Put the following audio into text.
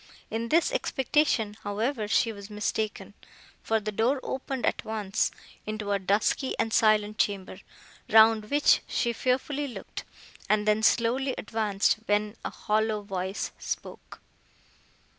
In this expectation, however, she was mistaken; for the door opened at once, into a dusky and silent chamber, round which she fearfully looked, and then slowly advanced, when a hollow voice spoke.